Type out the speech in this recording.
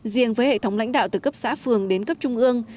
riêng với hệ thống lãnh đạo từ cấp xã phường đến cấp trung ương